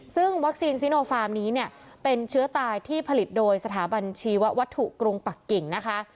ซึ่งวัคซีนซีโนฟาร์มนี้เนี่ยเป็นเชื้อตายที่ผลิตโดยสถาบัญชีวัตถุกรุงปักกิ่งนะคะ